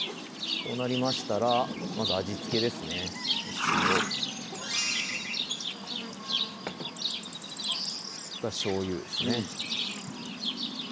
こうなりましたらまず味付けですねお塩それからしょうゆですね